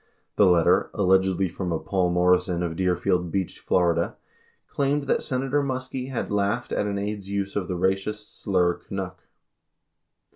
94 The letter, allegedly from a "Paul Morrison" of Deerfield Beach, Fla., claimed that Senator Muskie had laughed at an aide's use of the racist slur "Canuck."